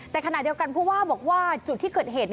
แต่ขณะเดียวกันผู้ว่าบอกว่าจุดที่เกิดเหตุ